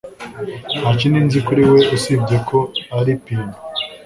Nta kindi nzi kuri we usibye ko ari piyano